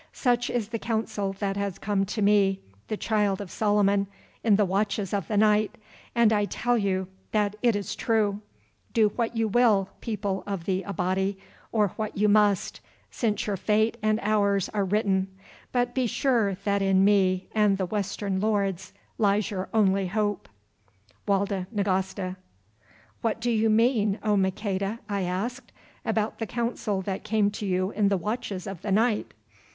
Such is the counsel that has come to me, the Child of Solomon, in the watches of the night, and I tell you that it is true. Do what you will, people of the Abati, or what you must, since your fate and ours are written. But be sure that in me and the Western lords lies your only hope. "Walda Nagasta." "What do you mean, O Maqueda," I asked, "about the counsel that came to you in the watches of the night?"